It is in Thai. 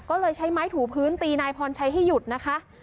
ก็เลยใช้ไม้ถูพื้นตีนายพรชัยให้หยุดนะคะ